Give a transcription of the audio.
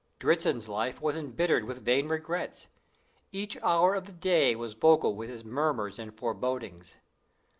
Dritzhn's life was embittered with vain regrets; each hour of the day was vocal with his murmurs and forebodings.